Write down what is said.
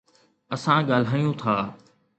اسان ڳالهايون ٿا.